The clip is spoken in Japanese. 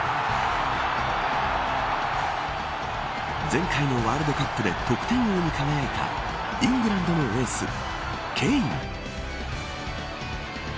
前回のワールドカップで得点王に輝いたイングランドのエース、ケイン。